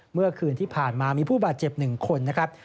เมื่อคืนที่ผ่านมามีผู้บาดเจ็บ๑คนนะครับ